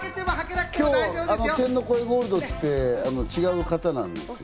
今日、天の声ゴールドって違う方なんですよ。